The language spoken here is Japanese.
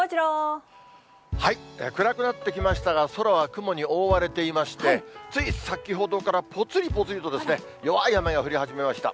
暗くなってきましたが、空は雲に覆われていまして、つい先ほどからぽつりぽつりと弱い雨が降り始めました。